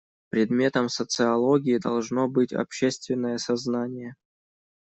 Предметом социологии должно быть общественное сознание.